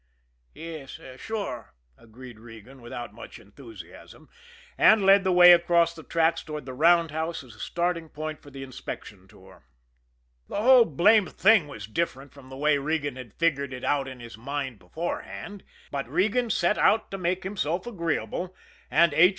"Yes sure," agreed Regan, without much enthusiasm, and led the way across the tracks toward the roundhouse as a starting point for the inspection tour. The whole blamed thing was different from the way Regan had figured it out in his mind beforehand; but Regan set out to make himself agreeable and H.